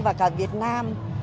và cả việt nam